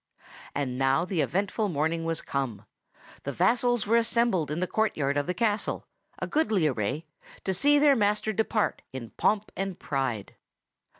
And now the eventful morning was come. The vassals were assembled in the courtyard of the castle, a goodly array, to see their master depart in pomp and pride.